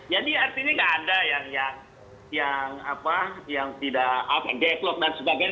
jadi artinya tidak ada yang yang apa yang tidak apa deadlock dan sebagainya